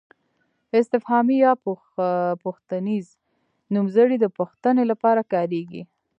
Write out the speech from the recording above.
استفهامي یا پوښتنیز نومځري د پوښتنې لپاره کاریږي.